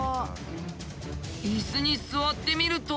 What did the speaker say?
椅子に座ってみると。